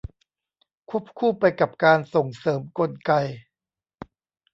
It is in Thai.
ควบคู่ไปกับการส่งเสริมกลไก